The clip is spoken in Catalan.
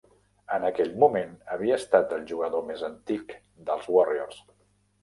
En aquell moment, havia estat el jugador més antic dels Warriors.